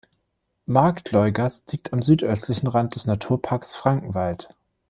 Marktleugast liegt am südöstlichen Rand des Naturparks Frankenwald.